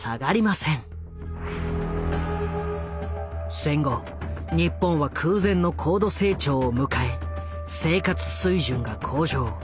戦後日本は空前の高度成長を迎え生活水準が向上。